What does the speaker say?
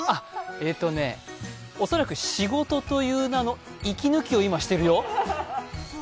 ええとね、恐らく仕事という名の生き抜きを今しているよ。